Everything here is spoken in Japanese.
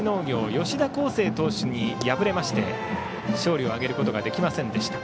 吉田輝星投手に敗れまして勝利を挙げることができませんでした。